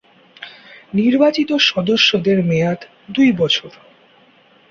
নির্বাচিত সদস্যদের মেয়াদ দুই বছর।